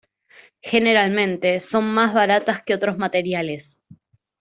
Generalmente son más baratas que otros materiales.